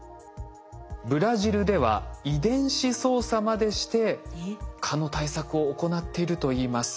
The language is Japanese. ブラジルでは遺伝子操作までして蚊の対策を行っているといいます。